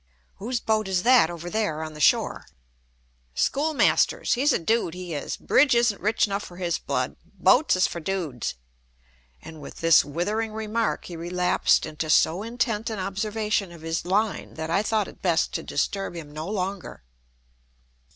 "Whose boat is that, over there, on the shore?" "Schoolmaster's. He's a dood, he is. Bridge isn't rich 'nough fer his blood. Boats is fer doods." And with this withering remark he relapsed into so intent an observation of his line that I thought it best to disturb him no longer.